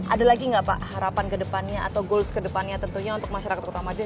ada lagi gak pak harapan kedepannya atau goals kedepannya tentunya untuk masyarakat kota madiun